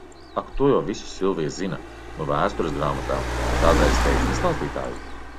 Ak to jau visu Silvija zina no vēstures grāmatām, tādēļ steidzina stāstītāju.